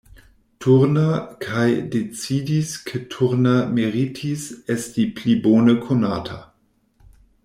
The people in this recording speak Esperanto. Turner kaj decidis ke Turner meritis esti pli bone konata.